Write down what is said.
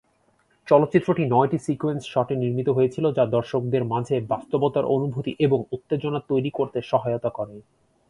চলচ্চিত্রটি নয়টি সিকোয়েন্স শটে নির্মিত হয়েছিল যা দর্শকদের মাঝে বাস্তবতার অনুভূতি এবং উত্তেজনা তৈরি করতে সহায়তা করে।